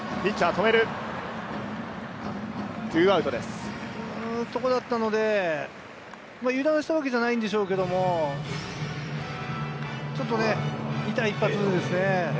というところだったので、油断したわけじゃないんでしょうけれど、ちょっと痛い一発ですね。